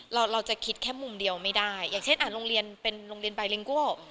เราจะคิดแค่มุมเดียวไม่ได้อย่างเช่นอ่านโรงเรียนเป็นโรงเรียนใบเร็งโก้